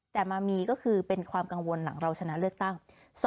แต่มามีก็คือเป็นความกังวลหลังเราชนะเลือกตั้ง